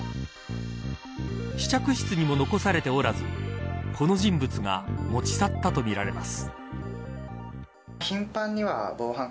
試着室にも残されておらずこの人物が持ち去ったとみられます。